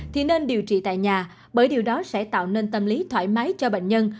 thì nên điều trị tại nhà bởi điều đó sẽ tạo nên tâm lý thoải mái cho bệnh nhân